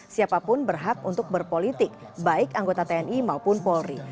siapapun berhak untuk berpolitik baik anggota tni maupun polri